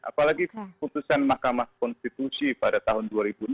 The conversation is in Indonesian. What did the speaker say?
apalagi keputusan mahkamah konstitusi pada tahun dua ribu enam